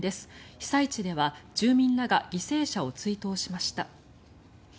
被災地では住民らが犠牲者を追悼しました。